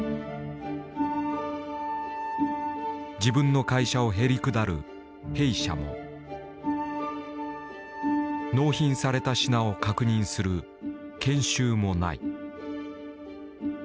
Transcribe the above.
自分の会社をへりくだる「弊社」も納品された品を確認する「検収」もない。